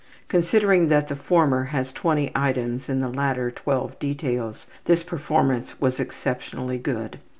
Considering that the former has 20 items and the latter 12 details, this performance was exceptionally good.